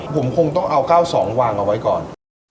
ผมคงต้องเอาเก้าสองวางเอาไว้ก่อน